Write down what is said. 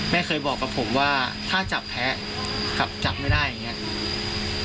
เคยบอกกับผมว่าถ้าจับแพ้กับจับไม่ได้อย่างนี้